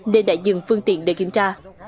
nên đã dừng phương tiện để kiểm tra